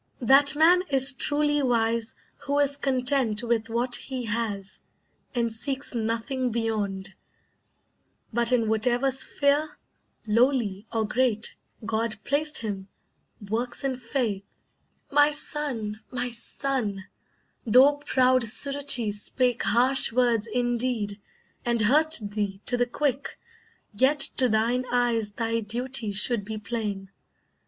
That man is truly wise Who is content with what he has, and seeks Nothing beyond, but in whatever sphere, Lowly or great, God placed him, works in faith; My son, my son, though proud Suruchee spake Harsh words indeed, and hurt thee to the quick, Yet to thine eyes thy duty should be plain.